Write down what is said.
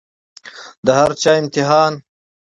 د هر چا امتحان